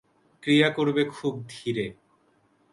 ক্রিয়া করবে খুব ধীরে।